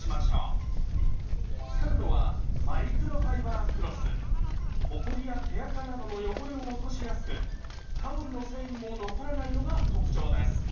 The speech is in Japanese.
使うのはほこりや手あかなどの汚れを落としやすくタオルの繊維も残らないのが特徴です。